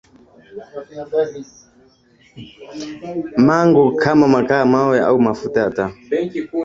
mango km makaa ya mawe au mafuta ya taa